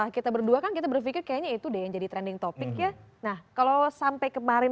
kita berdua kan kita berpikir kayaknya itu deh yang jadi trending topic ya nah kalau sampai kemarin